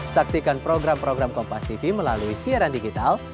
saksikan program program kompas tv melalui siaran digital